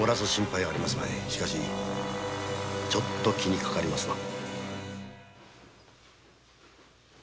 しかしちょっと気にかかりますな。